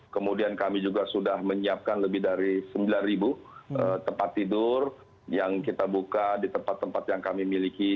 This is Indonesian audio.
kemudian kami juga sudah menyiapkan lebih dari sembilan tempat tidur yang kita buka di tempat tempat yang kami miliki